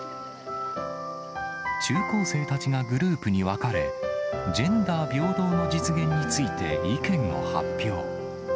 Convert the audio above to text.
中高生たちがグループに分かれ、ジェンダー平等の実現について意見を発表。